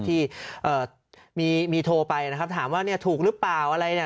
ที่มีโทรไปนะครับถามว่าเนี่ยถูกหรือเปล่าอะไรเนี่ย